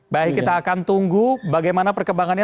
baik kita akan tunggu bagaimana perkembangannya